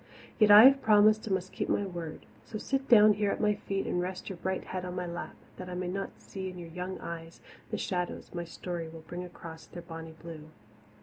Yet I have promised and must keep my word. So sit down here at my feet and rest your bright head on my lap, that I may not see in your young eyes the shadows my story will bring across their bonny blue.